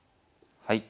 はい。